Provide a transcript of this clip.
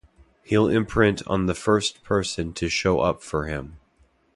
He’ll imprint on the first person to show up for him.